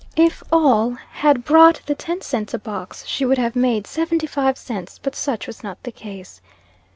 If all had brought the ten cents a box, she would have made seventy five cents; but such was not the case.